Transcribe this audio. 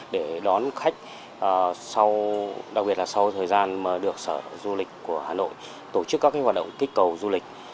để đón khách đặc biệt là sau thời gian mà được sở du lịch của hà nội tổ chức các hoạt động kích cầu du lịch